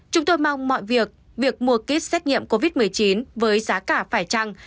chúng tôi mong mọi việc việc mua kit xét nghiệm covid một mươi chín với giá cả phải trăng